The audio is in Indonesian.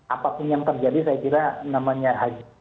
apapun yang terjadi saya kira namanya haji